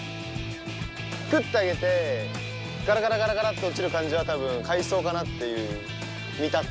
クッと上げてガラガラガラガラって落ちる感じは多分海藻かなっていう見立て。